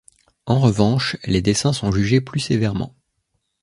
En revanche, les dessins sont jugés plus sévèrement.